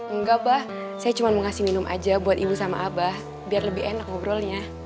enggak bah saya cuma mau ngasih minum aja buat ibu sama abah biar lebih enak ngobrolnya